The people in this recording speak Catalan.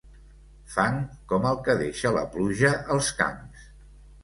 Fang com el que deixa la pluja als camps.